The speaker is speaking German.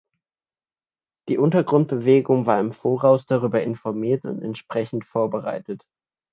Die Untergrundbewegung war im Voraus darüber informiert und entsprechend vorbereitet.